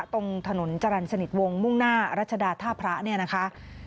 ตรงถนนจรรย์สนิทวงมุ่งหน้ารัชดาท่าพระเนี่ยนะคะ